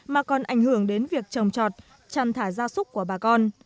mà còn ảnh hưởng đến việc trồng trọt trăn thả da súc của bà con